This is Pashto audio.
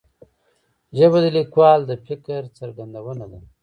ژبه د لیکوال د فکر څرګندونه ده